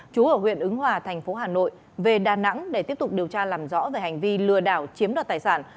chú ở huyện ứng hòa thành phố hà nội về đà nẵng để tiếp tục điều tra làm rõ về hành vi lừa đảo chiếm đoạt tài sản